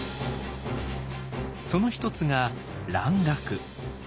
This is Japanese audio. その一つが蘭学。